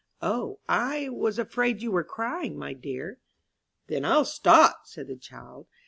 "O, I was afraid you were crying, my dear." "Then I'll stop," said the child.